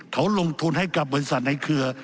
เขาลงทุนให้กับบริษัทในเครือ